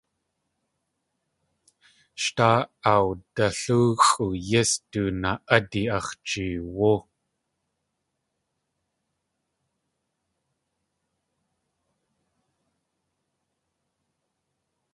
Sh daa awdalóoxʼu yís du naa.ádi ax̲ jeewú.